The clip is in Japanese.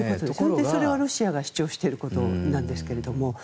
それはロシアが主張していることなんですけども。